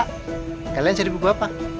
kalian cari buku apa